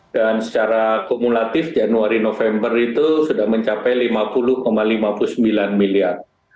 dan secara kumulatif januari november itu sudah mencapai lima puluh lima puluh sembilan miliar